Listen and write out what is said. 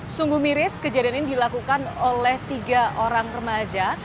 sungguh miris kejadian ini dilakukan oleh tiga orang remaja